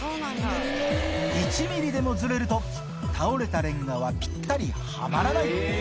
１ミリでもずれると、倒れたレンガはぴったりはまらない。